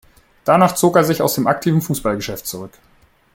Danach zog er sich aus dem aktiven Fußballgeschäft zurück.